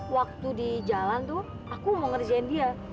waktu di jalan tuh aku mau ngerjain dia